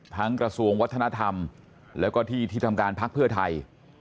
กระทรวงวัฒนธรรมแล้วก็ที่ที่ทำการพักเพื่อไทย